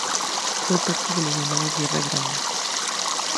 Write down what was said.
Fue parte de la llamada Guerra Grande.